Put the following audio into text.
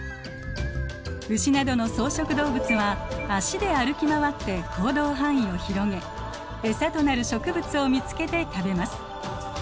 ウシなどの草食動物は脚で歩き回って行動範囲を広げエサとなる植物を見つけて食べます。